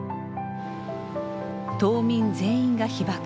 島民全員が被ばく。